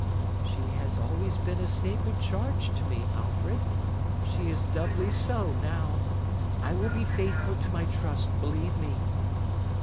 'She has always been a sacred charge to me, Alfred. She is doubly so, now. I will be faithful to my trust, believe me.